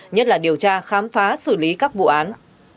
nhất là điều tra khám phá xử lý các vụ án